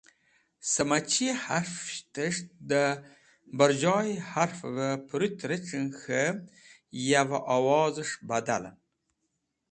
Sẽmachi harfishtẽs̃h dẽ bẽrjoy harfẽvẽ prũt rec̃hẽn k̃hẽ yavẽ owzẽs̃h badalẽn